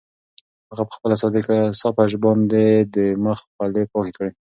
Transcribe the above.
هغه په خپله صافه باندې د مخ خولې پاکې کړې.